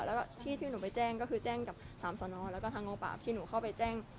แล้วก็ที่ที่หนูไปแจ้งก็คือแจ้งกับสามสนแล้วก็ทางกองปราบที่หนูเข้าไปแจ้ง